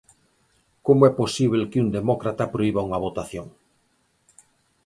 Como é posíbel que un demócrata prohiba unha votación.